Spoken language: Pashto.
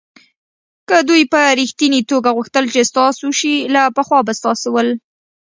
که دوی په ریښتني توگه غوښتل چې ستاسو شي له پخوا به ستاسو ول.